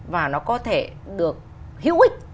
và nó có thể được hữu ích